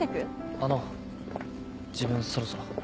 あの自分そろそろ。